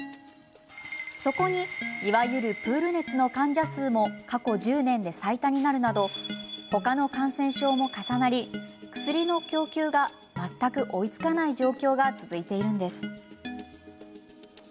そこに、いわゆるプール熱の患者数も過去１０年で最多になるなど他の感染症も重なり薬の供給が全く追いつかない状況が続いているんです。